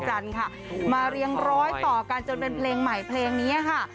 เป็นเพลงใหม่เพลงนี้ค่ะ